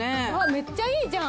めっちゃいいじゃん。